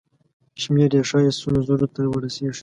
شمېر یې ښایي سلو زرو ته ورسیږي.